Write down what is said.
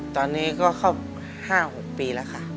ตอนนี้ก็ครบ๕๖ปีแล้วค่ะ